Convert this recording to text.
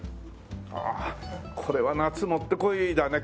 ああこれは夏もってこいだね